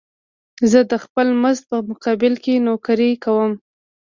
زه د خپل مزد په مقابل کې نوکري کومه.